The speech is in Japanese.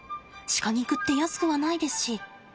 鹿肉って安くはないですし。